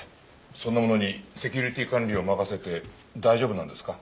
そんなものにセキュリティー管理を任せて大丈夫なんですか？